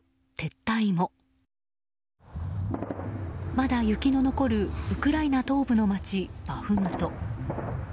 まだ雪の残るウクライナ東部の街、バフムト。